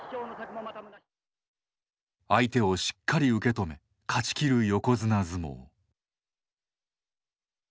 相手をしっかり受け止め勝ちきる横綱相撲。